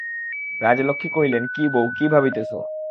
রাজলক্ষ্মী কহিলেন, কী বউ, কী ভাবিতেছ।